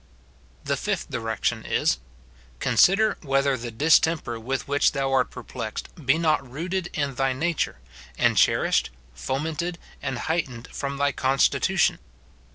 The FIFTH direction is, — Consider whether the distemper with which thou art perplexed be not rooted in thy nature, and cherished, fomented, and heightened from thy constitution.